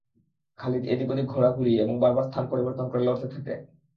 খালিদ এদিক-ওদিক ঘোড়া ঘুরিয়ে এবং বারবার স্থান পরিবর্তন করে লড়তে থাকে।